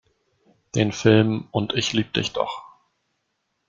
Den Film "Und ich lieb dich doch!